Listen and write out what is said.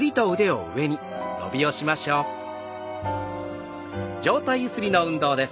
上体ゆすりの運動です。